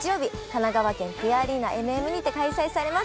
神奈川県ぴあアリーナＭＭにて開催されます。